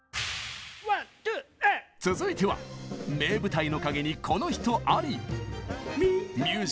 続いては名舞台の陰にこの人あり！